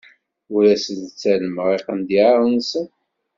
Ur asen-ttalmeɣ iqendyar-nsen.